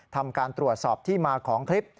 ทำการตรวจสอบที่มาของคลิป